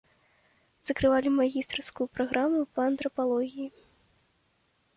Закрывалі магістарскую праграму па антрапалогіі.